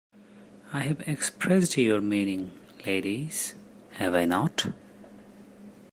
I have expressed your meaning, ladies, have I not?